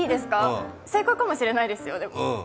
正解かもしれないですよ。